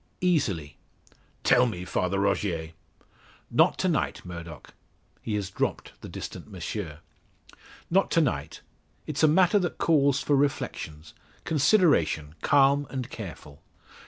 "Easily." "Tell me, Father Rogier!" "Not to night, Murdock!" he has dropped the distant M'sieu "Not to night. It's a matter that calls for reflection consideration, calm and careful.